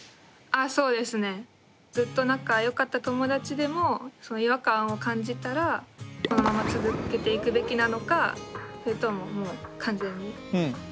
あそうですね。ずっと仲よかった友達でも違和感を感じたらこのまま続けていくべきなのかそれとももう完全に仲よくしなくていいのか。